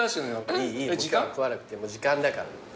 いいいい食わなくてもう時間だから。